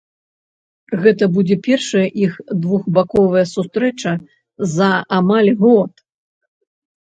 Гэта будзе першая іх двухбаковая сустрэча за амаль год.